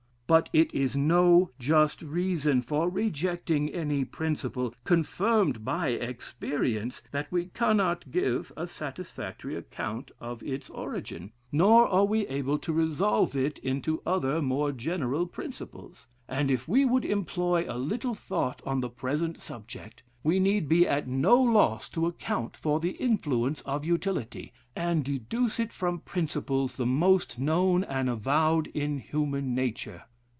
But it is no just reason for rejecting any principle, confirmed by experience, that we cannot give a satisfactory account of its origin, nor are able to resolve it into other more general principles. And if we would employ a little thought on the present subject, we need be at no loss to account for the influence of utility, and deduce it from principles the most known and avowed in human nature....